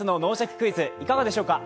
クイズ」、いかがでしょうか。